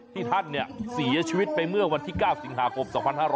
ที่ท่านเสียชีวิตไปเมื่อวันที่๙สิงหาคม๒๕๕๙